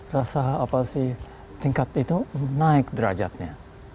rasa apa sih tingkat itu naik derajatnya